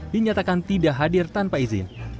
dinyatakan tidak hadir tanpa izin